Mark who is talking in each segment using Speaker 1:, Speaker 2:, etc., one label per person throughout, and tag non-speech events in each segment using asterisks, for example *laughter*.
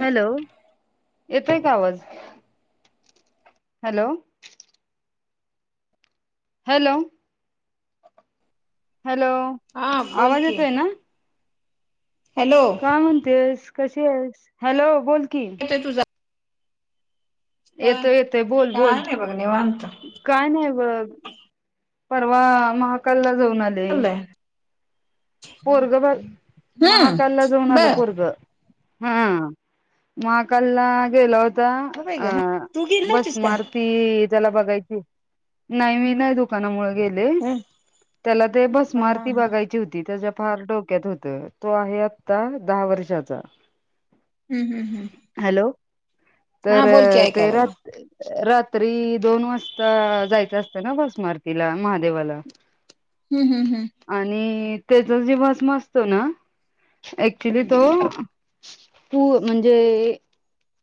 Speaker 1: Hello येतय का आवाज हॅलो हॅलो हॅलो
Speaker 2: हा बोल
Speaker 1: आवाज
Speaker 2: की
Speaker 1: येतोय ना
Speaker 2: हॅलो
Speaker 1: काय म्हणतेस कशी आहे हॅलो बोल की
Speaker 2: तर तुझं
Speaker 1: येतोय येतोय बोल बोल
Speaker 2: काय नाही बघ निवांत
Speaker 1: काय नाही बघ परवा महाकाल जाऊन आले
Speaker 2: चाललंय
Speaker 1: पोरगं महाकालला जाऊन
Speaker 2: हम्म
Speaker 1: आलं
Speaker 2: बर
Speaker 1: पोरगं हम् मकाकालला गेला होता.
Speaker 2: हो बाई ग
Speaker 1: *unintelligible*
Speaker 2: तू गेली होतीस का
Speaker 1: त्या ला बघायची नाही मी नाही दुकानामुळे गेले
Speaker 2: हा
Speaker 1: त्याला ते भस्म
Speaker 2: हा हा
Speaker 1: आरती
Speaker 2: हम्म
Speaker 1: बघायची होती. त्याच्या फार डोक्यात होत तो आहे आता दहा वर्षाचा
Speaker 2: हम्म हम्म हम्
Speaker 1: हॅलो तर ते रात्री रात्री दोन वाजता जायचं असतं ना भस्मारतीला महादेवाला
Speaker 2: हम्म हम्म हम्म
Speaker 1: त्याच जे भस्म असतो ना अक्चुली तो
Speaker 2: हम्म
Speaker 1: तू म्हणजे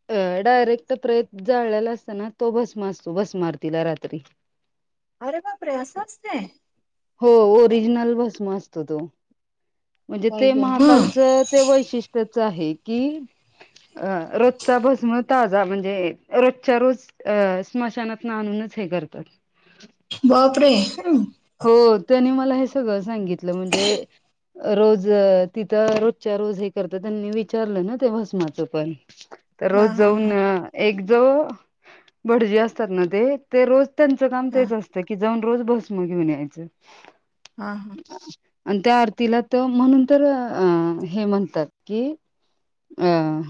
Speaker 1: अ डायरेक्ट प्रेत जाळल्याला असताना तो भस्म असतो भस्म आरती लास रात्री
Speaker 2: अरे बापरे असं असतंय
Speaker 1: हो ओरिजनल भस्म क्तोद *unintelligible* म्हणजे
Speaker 2: बाई
Speaker 1: ते
Speaker 2: ग हम्म
Speaker 1: महाकालचं ते वैशिष्ट्य आहे की अ रोजचा भस्म ताजा म्हणजे रोजच्या रोज अ स्मशानात ना आणूनच हे करतात
Speaker 2: बापरे
Speaker 1: हो त्यानी म हे सगळ सांगित म्हणजे रोज तिथं रोजच्या रोज हे करत त्यांनी विचारलं ना ते भस्माचं पण तर
Speaker 2: हा
Speaker 1: रोज
Speaker 2: हा हा
Speaker 1: जाऊन एक ज भटजी असतात ना ते ते रोज त्यांचं काम
Speaker 2: हा
Speaker 1: तेच असतं क जाऊन रोज बस मग घेऊन यायचं
Speaker 2: हा हा
Speaker 1: आणि त्या आरतीला तर म्हणून तर अं हे म्हणतात की अं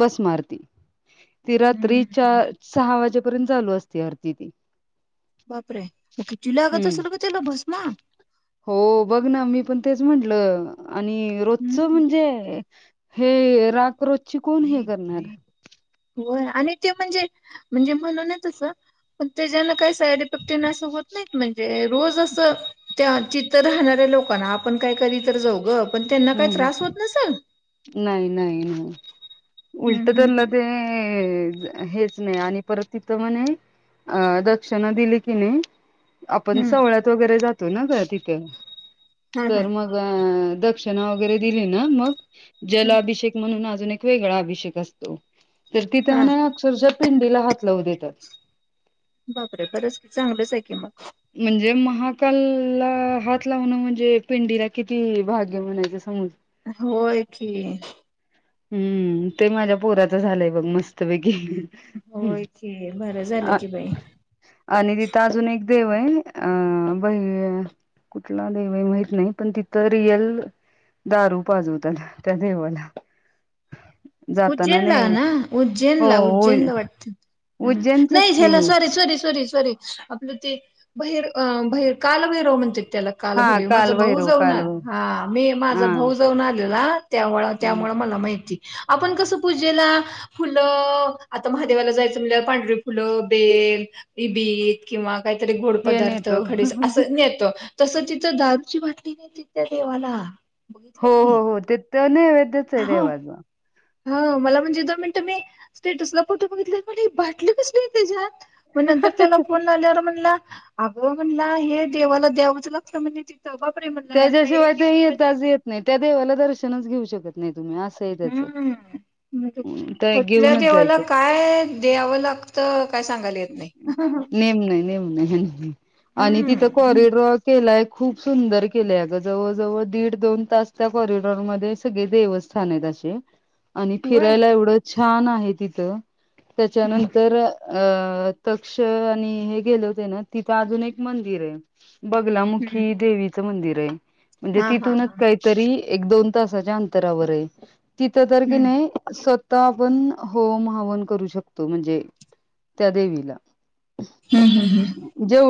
Speaker 1: भस्म आरती रात्री च
Speaker 2: हम्म
Speaker 1: सहा वाजे र्यंत चालू असते अरती त
Speaker 2: बापरे मग किती लागत
Speaker 1: हम्म
Speaker 2: असेल ग त्याला भस्म
Speaker 1: हो बघ ना मी पण तेच म्हटलं आणि रोजच
Speaker 2: हम्म
Speaker 1: म्हणजे हे राक रोज ची कोण हे करणार
Speaker 2: हो आणि ते म्हणजे म्हणजे म्हणून आहे तस पण त्या जना काय साईड इफेक्ट होत नाहीत म्हणजे रोज असं त्या चित्र राहणाऱ्या लोकांना आपण काय करी तर जाऊ ग पण त्यांना
Speaker 1: हम्म
Speaker 2: काय
Speaker 1: हम्म.
Speaker 2: त्रास होत नसेल
Speaker 1: नाही नाही नाही
Speaker 2: हम्म हम्म
Speaker 1: उल्टतलाद हेच नाही आणि परत तिथं म्हणे अ दक्षिणा दिली की नाही आपण
Speaker 2: हम्म हम्म
Speaker 1: सवळ्यात वगैरे जात तो ना ग तिथं
Speaker 2: हा हा
Speaker 1: तर मग दक्षिणा वगैरे दिली ना मग
Speaker 2: हम्म
Speaker 1: जलाभिषेक म्हणून अजून एक ख वेगळा अभिषेक असतो तर ति
Speaker 2: हा.
Speaker 1: त्यांना अक्षरशः पिंडीला हात लावू देतात
Speaker 2: बर आहे बरंच चांगलंच आहे की मग
Speaker 1: म्हणजे महाकाल हात लावणं म्हणजे पिंडीला किती भाग्य म्हणायच समज
Speaker 2: होय की
Speaker 1: हम्म ते माझ्या पोराचं झालंय बघ मस्तपैकी
Speaker 2: होय की बरं झालं
Speaker 1: अ
Speaker 2: की बाई.
Speaker 1: आणि तिथं अजून एक देव आहे अ बाई कुठला देव आहे माहित नाही पण तिथं रियल दारू पाजवत आल त्या देवाला जाताना
Speaker 2: उज्जैन ला
Speaker 1: नाही
Speaker 2: ना उज्जैनला
Speaker 1: हो
Speaker 2: उज्जैन ला वाटत नाही
Speaker 1: उज्जैनचच की
Speaker 2: झ्याला
Speaker 1: हे
Speaker 2: सॉरी सॉरी सॉरी सॉरी आपलं ती बहिर अ बहीर कालभैरव म्हणतात. त्याला
Speaker 1: हा
Speaker 2: कालभैरव माझा भाऊ
Speaker 1: कालभैरव
Speaker 2: जाऊन
Speaker 1: कालभैरव
Speaker 2: आलं हा मी माझा
Speaker 1: हा
Speaker 2: भाऊ जाऊन आलेला त्यांमुळं त्यामुळं मला माहिती *unintelligible* आपण कसं पूजेला फुलं आता महादेवाला जायचं म्हणजे पांढरी फुलं, बेल, ईबीद किंवा काहीतरी गोड
Speaker 1: हे
Speaker 2: पदार्थ
Speaker 1: नेतो.
Speaker 2: खडीज असं नेतो. तसं तिथं दारुची बाटली नेतात त्या देवाला बघितलं
Speaker 1: हो हो
Speaker 2: मी
Speaker 1: हो तिथं नेवैद्यचं आहे देवाचा.
Speaker 2: ह मला म्हणजे दोन मिनटं मी स्टेटसला फोटो बघितलं तर मला हे बाटली कसली त्याच्यात मग नंतर त्याला फोन लावल्यावर म्हणला अगं म्हणला हे देवाला द्यावंचं लागत म्हणजे ति
Speaker 1: त्याच्याशिवाय ते येताच येत नाही त्या देवाला दर्शनच घेऊ शकत नाही तुम्ही असं आहे त्याचं
Speaker 2: हम्म म्हणजे
Speaker 1: ते
Speaker 2: कुठल्या
Speaker 1: घेऊनच
Speaker 2: देवाला
Speaker 1: जायचं
Speaker 2: काय द्यावं लागत
Speaker 1: नेम नाही नेम नाही आणि तिथं
Speaker 2: हम्म
Speaker 1: कॉरिड्रा केलाय खूप सुंदर केले अग जवळजवळ दीड दोन तास त्या कॉरिडॉरमध्ये सगळे देवस्थान आहेत असे. आणि
Speaker 2: होय
Speaker 1: फिरायला एवढं छान छान आहे तिथं त्याच्यानंतर
Speaker 2: हम्म
Speaker 1: अ तक्ष आणि हे गेले होते ना तिथे अजून एक मंदिर आहे. बगलामुखी देवीचं मंदिर. *unintelligible* म्हणजे
Speaker 2: हा हा
Speaker 1: तिथूनच
Speaker 2: हा
Speaker 1: काहीतरी एक दोन तासाच्या अंतरावर आहे. तिथं तर की
Speaker 2: हम्म
Speaker 1: नाही स्व -तः आपण होम हवन करू शकतो म्हणजे? त्या देवीला
Speaker 2: हम्म हम्म हम्.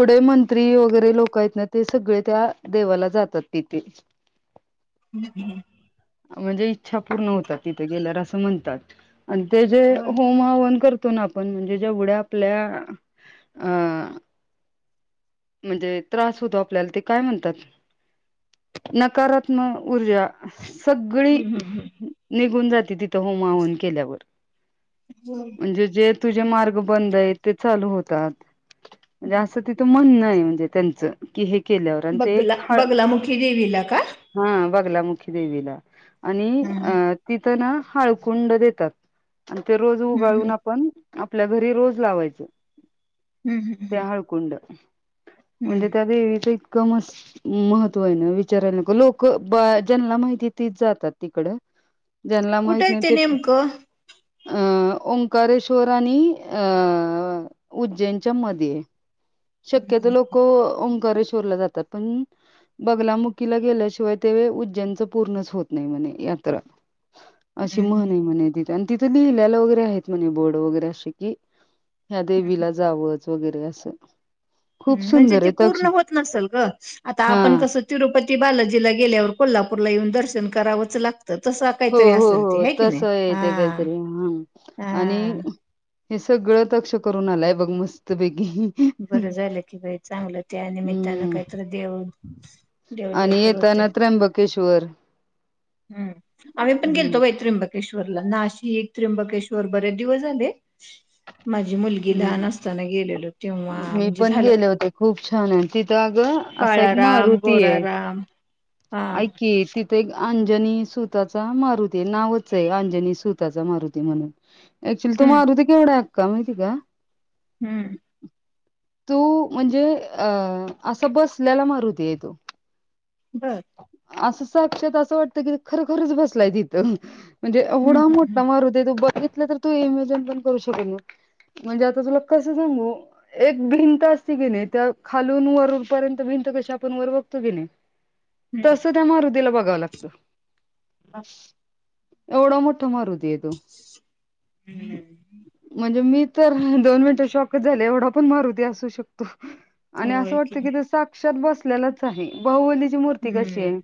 Speaker 1: जेवढे मंत्री वगैरे लोक आहेत ना ते सगळे त्या देवाला जातात तिथे.
Speaker 2: हम्म.
Speaker 1: म्हणजे इच्छा पूर्ण होतात तिथे गेल्यावर असं म्हणतात. आणि ते जे
Speaker 2: होय
Speaker 1: होम हवन करत आपण म्हणजे ्या आपल्या म्हणजे त्र होत आपल्याला काय म्हणतात्म सगळी
Speaker 2: हम्म हम्म
Speaker 1: निघून जाते तिथं होमा होम हवन केल्यावर
Speaker 2: हम्म
Speaker 1: म्हणजे जे तझ मार्ग बंद आहे ते चालू होतात म्हणजे असं तिथं म्हण नाहीय *unintelligible*
Speaker 2: बगला बगलामुखी देवला का?
Speaker 1: ला मुखी देवीला. आणि
Speaker 2: हम्म
Speaker 1: अ तिथं ना हाळकुंड देतात. आणि ते रोज
Speaker 2: हम्म
Speaker 1: उगाळून
Speaker 2: हम्म
Speaker 1: आपण आपल्या घरी रोज लावायचं.
Speaker 2: हम्म हम्म
Speaker 1: ते
Speaker 2: हम्म
Speaker 1: हळकुंड.
Speaker 2: हम्म
Speaker 1: म्हणजे त्या दे ते कमस महत्व आहे ना विचारायला नको लोक ब ज्यांला माहिती तीच जातात तिकड ज्यांना
Speaker 2: कुठे
Speaker 1: माहित
Speaker 2: आहे
Speaker 1: नाय ते
Speaker 2: नेमकं
Speaker 1: अ ओंकारेश्वर. आणि अ उज्जैनच्या मध्ये शक्यतो
Speaker 2: हम्म,
Speaker 1: लोक अं करेश्वरला जातात पण बगलामुखीला गेल्याशिवाय ते उज्जैनच पूर्णच होत नाही म्हणे यात्रा क अशी
Speaker 2: हम्म, हम्म,
Speaker 1: म्हण आहे तित आणि तिथं लिहिल्याला वगैरे आहेत म्हणे बोर्ड वगैरे असे की, ह्या
Speaker 2: हम्म,
Speaker 1: देवीला जावं वगैरे असं
Speaker 2: म्हणजे
Speaker 1: सुंदर
Speaker 2: ते
Speaker 1: आहे तक्ष
Speaker 2: पूर्ण होत नसेल ग आता
Speaker 1: हा
Speaker 2: आपण कसं तिरुपती बालाजीला गेल्यावर कोल्हापूरला येऊन दर्श ण करावंच लाग
Speaker 1: हो हो हो तस
Speaker 2: हा
Speaker 1: येते काहीतरी हा आणि
Speaker 2: हा
Speaker 1: हे सगळं तक्ष करून आलंय बघ मस्त बै
Speaker 2: बरं झालं की बाई चांगलं त्या निमित्तानं
Speaker 1: हम्म
Speaker 2: काहीतरी देव देवदेव
Speaker 1: आणि
Speaker 2: तर होते
Speaker 1: येताना त्र्यंबकेश्वर
Speaker 2: हम्म आम्ही पण
Speaker 1: हम्म.
Speaker 2: गेलतो बाई त्रिंबक केश्वरला नाशिक त्र्यंबकेश्वर बरेच दिवस झाले. माझी मुलगी
Speaker 1: हम्म.
Speaker 2: लहान असताना गेलेलो तेव्हा
Speaker 1: मी
Speaker 2: म्हणजे
Speaker 1: पण
Speaker 2: झालं
Speaker 1: गेले होते खूप छान आहे तिथं अगं असा
Speaker 2: काळाराम गोराराम हा
Speaker 1: आयकी सिद्ध ते अंजनी सुताचा मारुती ये नावच आहे अंजनी सुताचा मारुती म्हणून ऍक्च्युली तो
Speaker 2: हम्म
Speaker 1: मारूती केवढाय काय माहिती बा
Speaker 2: हूं
Speaker 1: तू म्हणजे अ असं बसलेला मारूती आहे तो.
Speaker 2: बर
Speaker 1: असं साक्षात असं वाटत की खर खरच बसलाय तिथं. म्हणजे
Speaker 2: हम्म
Speaker 1: एवढा
Speaker 2: हम्म
Speaker 1: मोठा
Speaker 2: हम्म.
Speaker 1: मारूती तो बघि तर तू एमेझॉन पण करू शकत नाही म्हणजे आता तुला कस सांगू एक भिंत असती कणी त्या खालून वरूनपर्यंत भिंत कशी आपण वर बघतो कणी तसं त्या मारुतीला बघ. कलर लागत. *inaudible* एवढा मोठा मारूती ये. त
Speaker 2: हम्म
Speaker 1: म्हणजे मी तर दोन मिनिटं शॉकच झाले, एवढा पण मारुती असू शकतो. आणि असं
Speaker 2: होय की
Speaker 1: वाटत कि क्ष बसलेलाच आहे बहुबली ची ती कशी
Speaker 2: हम्म
Speaker 1: आहे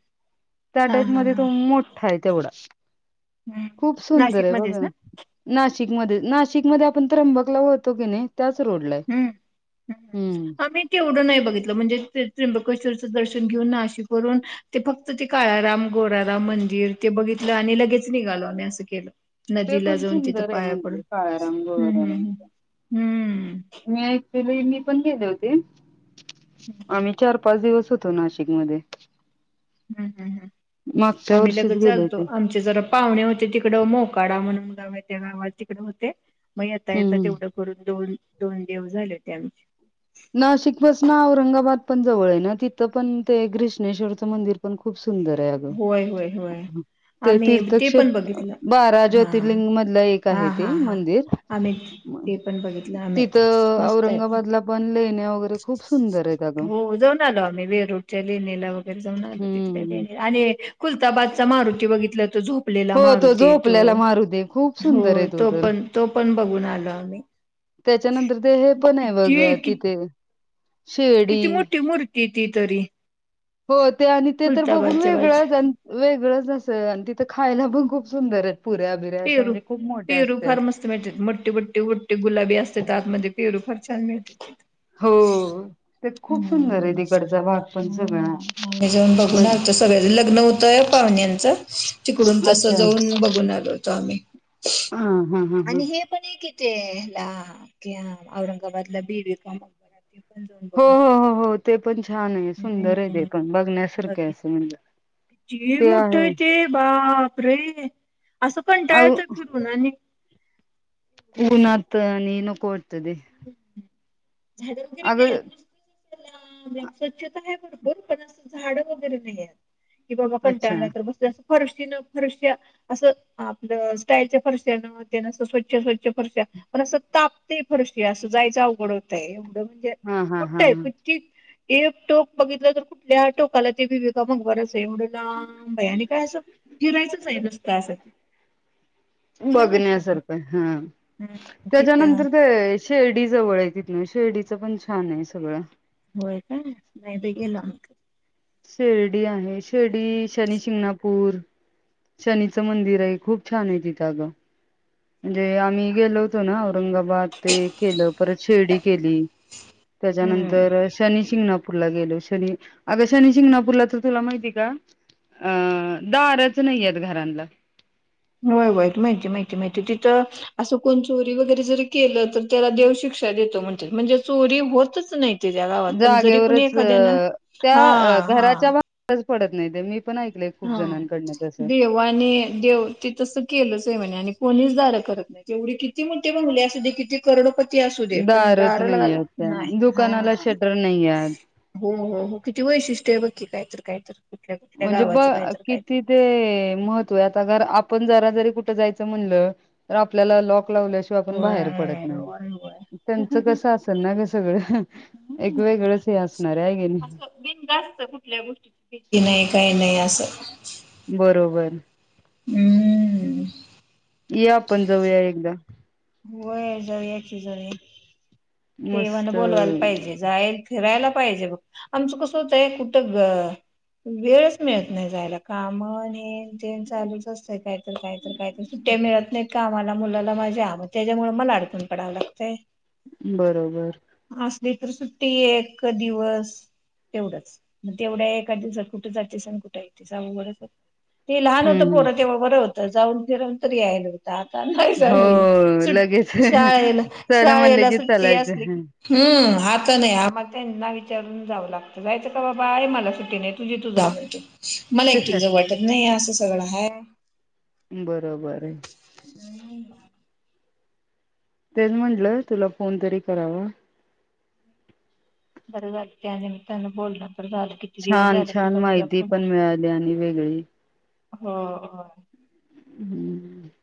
Speaker 1: त्या
Speaker 2: हा
Speaker 1: टाईप
Speaker 2: हा
Speaker 1: मध्ये तो मोठा आहे तेवढा
Speaker 2: हा.
Speaker 1: खुप सुंदर
Speaker 2: नाशिक
Speaker 1: आहे
Speaker 2: मध्येच
Speaker 1: बगा
Speaker 2: ना?
Speaker 1: नाशिकमध्ये नाशिकमध्ये आपण तर त्रबंकला होतो की नाही? त्याच रोडला आहे
Speaker 2: ह्म.
Speaker 1: हम्म
Speaker 2: आम्ही तेवढं नाही बघितलं म्हणजे त्र्यंबकेश्वरचं दर्शन घेऊन नाशिक करून ते फक्त ते काळाराम गोराराम मंदिर ते बघितलं आणि लगेच निघालो आम्ही असं केलं.
Speaker 1: ते
Speaker 2: नदीला
Speaker 1: पण
Speaker 2: जाऊन तिथं
Speaker 1: सुंदर आहे
Speaker 2: पाया पडून.
Speaker 1: म्हणजे काळाराम
Speaker 2: हम्म,
Speaker 1: गोराराम
Speaker 2: हम्म, हम्, हम्म.
Speaker 1: मी ऐकले, मी पण गेले होते. आम्ही चार-पाच दिवस होतो नाशिक मध्ये.
Speaker 2: हम्, हम्, हम्. आम्ही
Speaker 1: वर्षीच
Speaker 2: लगेच
Speaker 1: गेले
Speaker 2: आलतो,
Speaker 1: होते.
Speaker 2: आमचे जरा पाहुणे होते तिकड, मोकाडा म्हणून गाव त्या गावात तिकडे होते. मग येता येत
Speaker 1: हम्म.
Speaker 2: तेवढं करून दोन दोन दिवस झाले होते आमचे.
Speaker 1: नाशिक पासन औरंगाबाद. पण जवळ आहे ना, तिथं पण ते गृष्णेश्वरचं मंदिर पण खूप. सुंदर आहे अग,
Speaker 2: होय होय होय
Speaker 1: ते
Speaker 2: आम्ही ते पण
Speaker 1: तीर्थक्षेत्र
Speaker 2: बघितलं.
Speaker 1: बारा
Speaker 2: हा
Speaker 1: ज्योतिर्लिंग मधल एक
Speaker 2: हा
Speaker 1: आहे, ते
Speaker 2: हा हा
Speaker 1: मंदिर
Speaker 2: आम्ही ते पण बघितलं आम्ही
Speaker 1: तिथ
Speaker 2: मस्त आहे. पण.
Speaker 1: औरंगाबादला. लेन्या
Speaker 2: हो जाऊन आलो आम्ही, वेरूळच्या लेणीला वगैरे. जाऊन आलो तिथल्या
Speaker 1: हम्म.
Speaker 2: लेणीला, आणि खुलताबादचा मारुती बघितलं तो झोप
Speaker 1: हो तो झोपल्याला मारू आहे, खूप सुंदर आहे
Speaker 2: हो
Speaker 1: तो तर
Speaker 2: पण तो पण बघून आलो आम्ही
Speaker 1: त्याच्यानंतर ते हे पण आहे
Speaker 2: किती
Speaker 1: बघ
Speaker 2: कि
Speaker 1: तिथे. शेर्डी
Speaker 2: किती मोठी मूर्ती ती तरी
Speaker 1: हो ते आणि ते तर बघून,
Speaker 2: खुलताबादच्या बाज
Speaker 1: वेगळंच-वेगळच अस आणि. खायला पण खूप सुंदर आहे.
Speaker 2: पेरू-पेरू फार मस्त मिळतात, मोठी-बटी-बटी गुलाबी असत्यात आतमध्येे पेरू फार. छल मिळ *unintelligible*
Speaker 1: हो. ते
Speaker 2: ह
Speaker 1: खूप सुंदर आहे तिकडचा भाग
Speaker 2: *inaudible*
Speaker 1: पण सगळा
Speaker 2: आम्ही जाऊन बघून
Speaker 1: म्हण-
Speaker 2: आलतो सगळ्या लग्न होतय पाहुण्यांच तिकडून तस जाऊन बघून आलोत *inaudible*
Speaker 1: हम *unintelligible*
Speaker 2: आणि हे पण एक अ तेलाक *unintelligible* औरंगाबादला बीड कामब
Speaker 1: हो- हो -हो -हो ते पण छान आहे सुंदर आहे ते
Speaker 2: हम्म
Speaker 1: पण बघण्यासारखे असं म्हणज
Speaker 2: जे मोठ्ठं हाय ते बाप अे *unintelligible* असं पण *unintelligible*
Speaker 1: अ
Speaker 2: टाळतोय फिरून आणि एवढं आहे तिथे
Speaker 1: क्षणात
Speaker 2: सगळं.
Speaker 1: आणि नको कोट *unintelligible* त ते *unintelligible*
Speaker 2: झाडण तरी *unintelligible*
Speaker 1: अगं
Speaker 2: नाहीेत नुस *unintelligible* स्वच्छता आहे भरपूर पण असं झाड वगैरे नाही आहेत इव मग पण
Speaker 1: अच्छा
Speaker 2: त्याय बस *unintelligible* फरशीनं फरश असं आपलं स्टाईलच्या फरशन त्या न स्वच्छ स्वच्छ फरश पण असं तापते फरशीया असं जायचं अवघड होत तेय *unintelligible*
Speaker 1: हा हा हा
Speaker 2: मोठय
Speaker 1: हा
Speaker 2: कचीी *unintelligible* एक टोक बघितलं तर कुठल्या टोकाला ते भिवेगा मग बरच *unintelligible* एवढं लांब.. हाय आणि काय असं फिरायचंच आहे नुसता असं छान वाटतय
Speaker 1: बघण्यासारखं हा
Speaker 2: पण
Speaker 1: त्याच्यानंतर ते शिर्डी जवळ आहे तथ शिर्डीचं पण छान आहे सगळं
Speaker 2: व्हय काय नाही तर गेलं *unintelligible*
Speaker 1: शिर्डी आहे शिर्डी शनी शिंगणापूर शनीच मंदिर आहे, खूप छान आहे तिथं अगं म्हणजे, आम्ही गेलो होतो ना औरंगाबाद ते केलं परत, शिर्डी केली
Speaker 2: हम्म.
Speaker 1: त्याच्यानंतर शनीशिंगणापूरला गेलो. शनी आग शिंगणापूरला तर तुला माहिती का द *unintelligible* नाहीयेत घरांना
Speaker 2: होय वाई माहिती -माहिती- माहिती तिथं असं कोण चोरी वगैरे जर केलं तर त्याला देव शिक्षा देतो म्हणतात म्हणजे चोरी होतच नाही ते त्या गावात पण जरी कुणी
Speaker 1: जागेवरच अ
Speaker 2: एखाद्याना
Speaker 1: त्या
Speaker 2: हा हा
Speaker 1: -घराच्या *unintelligible* पडत नाही म *unintelligible*
Speaker 2: हा देवाने -देव ते तस केलंच आहे म्हणे आणि कोणीच दार करत नाही, एवढी किती मोठे बंगले असत्यात किती करोडपती. करोडपती असू दे पण
Speaker 1: दारच नाही
Speaker 2: दारलावला
Speaker 1: आहेत त्या
Speaker 2: नाही हा,
Speaker 1: दुकानाला शटर नाही आहेत.
Speaker 2: हो, हो, हो किती वैशिष्ट्य बघ की काय तरी. काय तर. कुठल्या-कुठल्या
Speaker 1: म्हणजे ब
Speaker 2: गावाच.
Speaker 1: किती ते महत्व आहे, आता आपण जरा घरात. जरी कुठं जायचं म्हणलं, तर आपल्याला लॉक लावल्याशिवाय आपण बाहेर पडत
Speaker 2: होय
Speaker 1: नाही,
Speaker 2: होय
Speaker 1: त्यांच कसं असल ना ग सगळं. एक
Speaker 2: होय
Speaker 1: वेगळं हे असत.
Speaker 2: असं बिनधास्त कुठल्या गोष्टीची भिती नाही. काही नाही असं.
Speaker 1: बरोबर.
Speaker 2: हम्म.
Speaker 1: ये आपण जाऊया एकदा.
Speaker 2: जाऊ या की जाऊया. देवाण
Speaker 1: मस्त
Speaker 2: बोलवायला पाहिजे, जायला फिरायला. पाहिजे बघ, आमचं कसं होतय? कुठं ग, वेळच मिळत नाही जायला काम हेन तेन चालूच असतय, कायतर- कायतर- कायतर सुट्ट्या मिळत नाहीत. कामाला मुलाला माझ्या आ म त्याच्यामुळ मला आड कुन पडाव लागतय.
Speaker 1: बरोबर.
Speaker 2: लई तर सुट्टी एक दिवस तेवढंच, मग तेवढ्या एका दिवसात कुठ जातीस आणि कुठ येतीस? अवघडच हाय. ते लहान होतं,
Speaker 1: हम्म हम्म
Speaker 2: पोर ते बर होत. तर जाऊन फिरूनन तर यायला व्हत. आता नाही जायाय येत.
Speaker 1: हो
Speaker 2: सुट
Speaker 1: लगेच
Speaker 2: शाळेला
Speaker 1: चला म्हणलं
Speaker 2: शाळेला
Speaker 1: की
Speaker 2: सुट्टी असली की,
Speaker 1: चलायचं
Speaker 2: हुम. आता नाही आ मग त्यांना विचारून जावं लागतं, जायचं का बाबा? आई मला सुटी नाही, तुझी तू जा म्हणते. मला एकटिला जावू वाटत नाही आसस. सगळ हाय.
Speaker 1: बरोबर हय. तेच म्हंटलं, तुला फोन तरी करावा.
Speaker 2: बर झालं, त्या निमित्तानं बोलण
Speaker 1: छान छान माहिती पण, मिळाली आणि वेगळी
Speaker 2: हो, हो.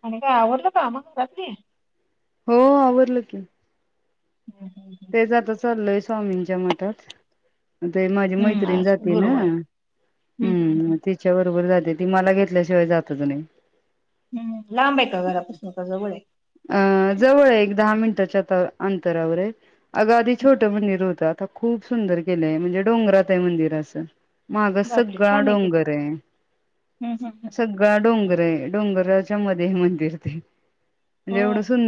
Speaker 2: आणि काय आवरलं. काम घरातली.
Speaker 1: हो आवरडलं की.
Speaker 2: हम्म हम्म हम्म.
Speaker 1: तेच आात चाललंय चवमींच्या मटर ते माझी
Speaker 2: हम्म,
Speaker 1: मैत्रिण
Speaker 2: आज
Speaker 1: जाते ना
Speaker 2: गुरुवार हम्म हम्म
Speaker 1: हम्
Speaker 2: हम्म.
Speaker 1: तिच्या बरोबर जाते. ते ती मला घेतल्याशिवाय जातच नाही.
Speaker 2: हम्म लांब आहे का घरापासून का जवळ हाय?
Speaker 1: अ जवळ आहे, एक दहा मिनिटाच्या अंतरावरआहे. अगाधी
Speaker 2: हम्म,
Speaker 1: छोटं मंदिर होत. आता खूप सुंदर केलंय म्हणजे डोंगरात आहे मंदिर असं. मागं
Speaker 2: बापरे
Speaker 1: सगळा
Speaker 2: छान आहे की.
Speaker 1: डोंगर आहे.
Speaker 2: हम्म हम्म हम्म.
Speaker 1: सगळा डोंगर डोंगरावच्या मध्ये हे मंदिर ते म्हणजे
Speaker 2: होय.
Speaker 1: एवढं सुनं